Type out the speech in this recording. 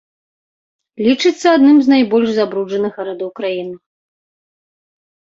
Лічыцца адным з найбольш забруджаных гарадоў краіны.